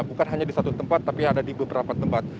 bukan hanya di satu tempat tapi ada di beberapa tempat